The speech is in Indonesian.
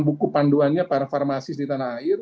buku panduannya para farmasis di tanah air